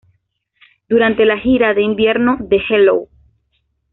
Durante la gira de invierno de Hello!